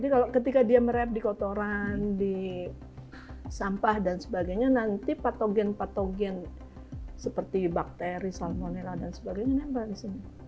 jadi kalau ketika dia merep di kotoran di sampah dan sebagainya nanti patogen patogen seperti bakteri salmonela dan sebagainya nembah di sini